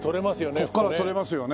ここから撮れますよね。